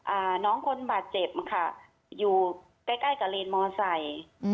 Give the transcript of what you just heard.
อ่าน้องคนบาดเจ็บค่ะอยู่ใกล้ใกล้กับเลนมอไซค์อืม